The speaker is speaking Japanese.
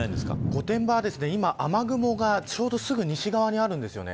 御殿場は今、雨雲がちょうどすぐ西側にあるんです。